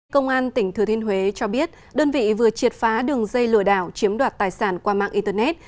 công an tỉnh thừa thiên huế cho biết đơn vị vừa triệt phá đường dây lừa đảo chiếm đoạt tài sản qua mạng internet